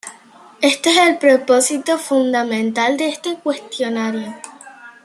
Este es el propósito fundamental de este cuestionario.